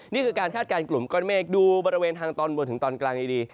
นี่คือการคาดการณ์กลุ่มก้อนเมฆดูบริเวณทางตอนบนถึงตอนกลางดี